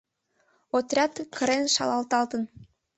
Отряд кырен шалаталтын.